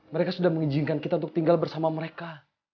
mereka sudah mengizinkan kita untuk tinggal bersama mereka